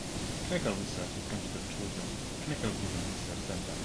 Clinical research is conducted through the Clinical Vision Research Center.